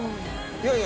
いやいや。